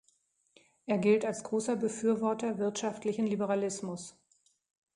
Er gilt als großer Befürworter wirtschaftlichen Liberalismus.